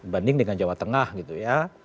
banding dengan jawa tengah gitu ya